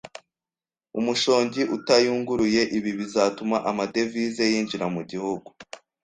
umushongi utayunguruye Ibi bizatuma amadevize yinjira mu Gihugu